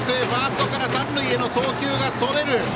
ファーストから三塁への送球がそれる。